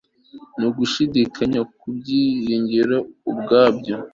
ni ugushidikanya ku byiringiro ubwabyo